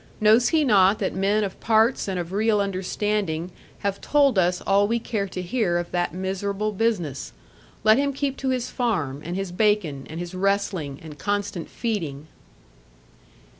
Knows he not that men of parts and of real understanding, have told us all we care to hear of that miserable business. Let him keep to his farm, and his bacon, and his wrestling, and constant feeding.'